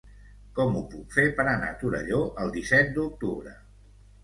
Com ho puc fer per anar a Torelló el disset d'octubre?